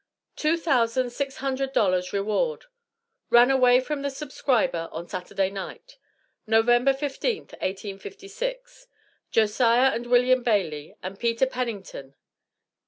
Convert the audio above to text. Two Thousand Six Hundred Dollars Reward Ran away from the subscriber, on Saturday night, November 15th, 1856, Josiah and William Bailey, and Peter Pennington.